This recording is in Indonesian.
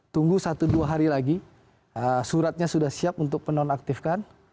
tunggu satu dua hari lagi suratnya sudah siap untuk penonaktifkan